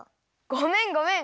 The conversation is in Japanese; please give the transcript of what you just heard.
ごめんごめん！